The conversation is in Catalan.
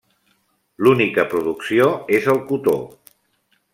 L'única producció és el cotó.